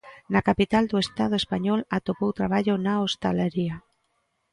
Na capital do Estado español atopou traballo na hostalaría.